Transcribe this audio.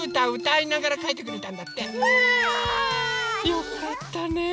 よかったねえ。